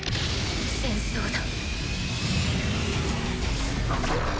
戦争だ。